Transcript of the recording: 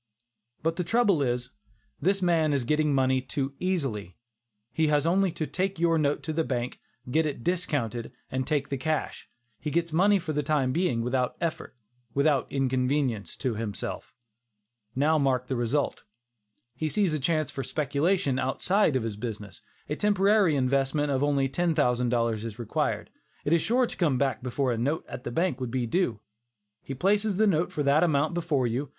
But the trouble is, this man is getting money too easily. He has only to take your note to the bank, get it discounted and take the cash. He gets money for the time being without effort; without inconvenience to himself. Now mark the result. He sees a chance for speculation outside of his business. A temporary investment of only $10,000 is required. It is sure to come back before a note at the bank would be due. He places a note for that amount before you.